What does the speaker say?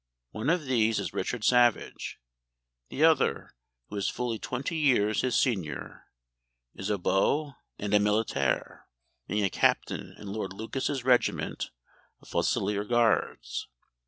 One of these is Richard Savage; the other, who is fully twenty years his senior, is a beau and a militaire, being a Captain in Lord Lucas's regiment of Fusileer Guards.